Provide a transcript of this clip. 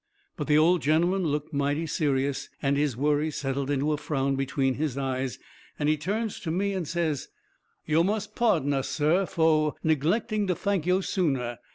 But the old gentleman looked mighty serious, and his worry settled into a frown between his eyes, and he turns to me and says: "Yo' must pardon us, sir, fo' neglecting to thank yo' sooner."